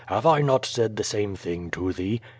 "Have I not said the same thing to thee?'